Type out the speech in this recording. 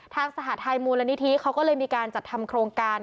ทางสหทัยมูลนิธิเขาก็เลยมีการจัดทำโครงการ